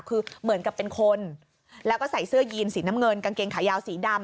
คือเหมือนกับเป็นคนแล้วก็ใส่เสื้อยีนสีน้ำเงินกางเกงขายาวสีดำ